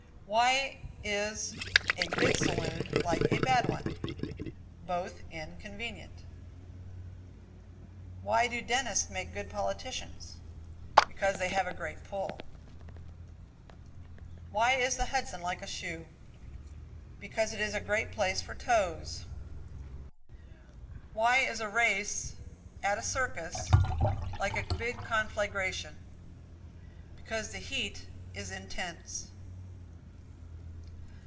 Why is a good saloon like a bad one? Both inn convenient Why do dentists make good politicians? Because they have a great pull. Why is the Hudson River like a shoe? Because it is a great place for tows (toes). Why is a race at a circus like a big conflagration? Because the heat is in tents (intense).